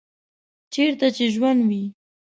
چیرته چې ژوند وي